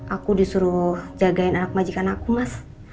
aku disuruh jagain anak majikan aku mas